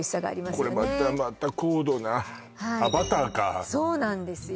これまたまた高度なあっバターかそうなんですよ